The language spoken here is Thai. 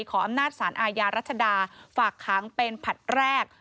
ขออำนาจสารอาญารัชดาฝากค้างเป็นผลัดแรก